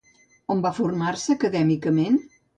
On va formar-se acadèmicament?